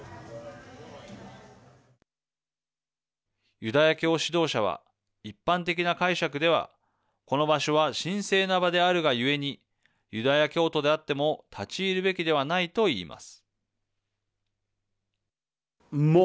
ユダヤ教指導者は一般的な解釈ではこの場所は神聖な場であるがゆえにユダヤ教徒であっても立ち入るべきではないと言います。